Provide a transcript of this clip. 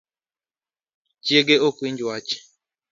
Chiege ok winj wach